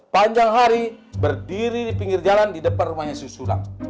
panjang hari berdiri di pinggir jalan di depan rumahnya susulan